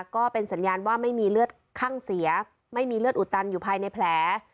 ก็เป็นสัญญาณว่าไม่มีเลือดข้างเสียไม่มีเลือดอุดตันอยู่ภายในแผล